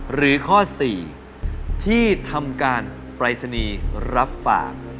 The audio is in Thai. หรือข้อ๔ที่ทำการปรายศนีย์รับฝาก